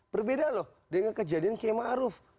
berbeda loh dengan kejadian kemaruf